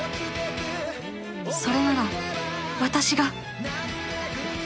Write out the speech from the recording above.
それなら私が！